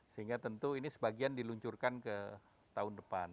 sehingga tentu ini sebagian diluncurkan ke tahun depan